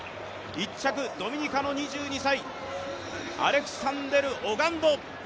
１着、ドミニカの２２歳、アレクサンデル・オガンド。